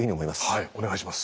はいお願いします。